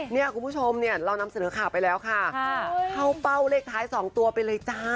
เนี่ยคุณผู้ชมเนี่ยเรานำเสนอข่าวไปแล้วค่ะเข้าเป้าเลขท้าย๒ตัวไปเลยจ้า